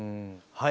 はい！